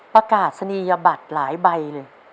ประกาศนียบัตรหลายใบเลย